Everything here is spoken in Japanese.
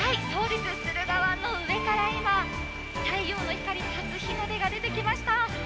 駿河湾の上から今、太陽の光初日の出が出てきました。